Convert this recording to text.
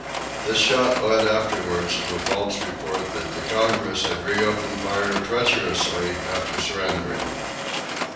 This shot led afterwards to a false report that the "Congress" had reopened fire treacherously after surrendering.